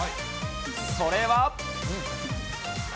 それは。